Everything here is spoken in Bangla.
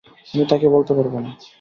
আমি তাকে বলতে পারব না।